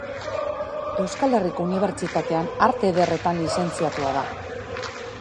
Euskal Herriko Unibertsitatean Arte Ederretan lizentziatua da.